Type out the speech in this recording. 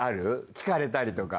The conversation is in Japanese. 聞かれたりとか。